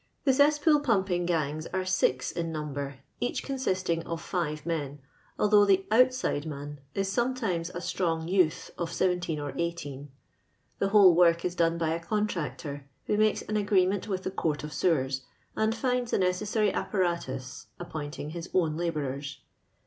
The cesspool pumping gangs are six in num ber, each consisting of five men, although the " outsidonan" is sometimes a strong youth of seventeen or eighteen. The whole work is done by a contractor, who makes an agree ment with the Court of Sewers, and finds the necessary apparatus, appointing his own la bourers.